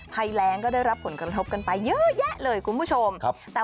ไพแรงก็ได้รับผลกระทบกันไปเยอะแยะเลยคุณผู้ชม